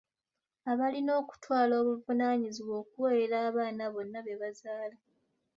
Abalina okutwala obuvunaanyizibwa okuwerera abaana bonna be bazaala.